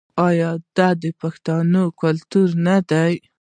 آیا دا د پښتنو کلتور نه دی؟